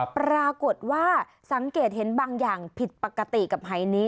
ปรากฏว่าสังเกตเห็นบางอย่างผิดปกติกับหายนี้